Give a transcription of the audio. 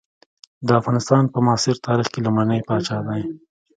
د افغانستان په معاصر تاریخ کې لومړنی پاچا دی.